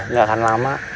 nggak akan lama